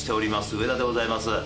上田でございます。